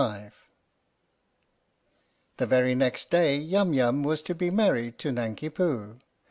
73 HE very next day Yum Yum was to be married to Nanki Poo.